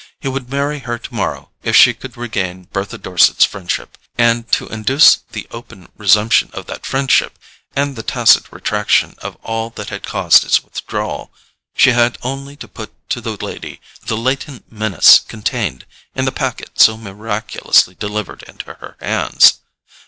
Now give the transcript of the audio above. He would marry her tomorrow if she could regain Bertha Dorset's friendship; and to induce the open resumption of that friendship, and the tacit retractation of all that had caused its withdrawal, she had only to put to the lady the latent menace contained in the packet so miraculously delivered into her hands.